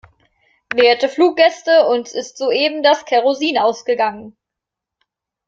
Werte Fluggäste, uns ist soeben das Kerosin ausgegangen.